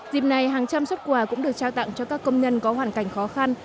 dịp này hàng trăm xuất quà cũng được trao tặng cho các công nhân có hoàn cảnh khó khăn